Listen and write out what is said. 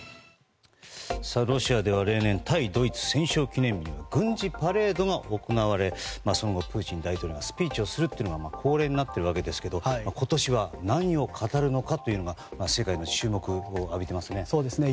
ロシアでは例年対ナチスドイツ戦勝記念日の軍事パレードが行われその後、プーチン大統領がスピーチをするというのが恒例になっていますが今年は何を語るのかというのが世界の注目を浴びてますね。